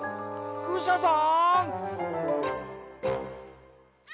クシャさん！